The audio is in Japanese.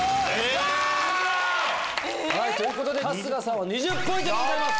わ‼ということで春日さんは２０ポイントでございます。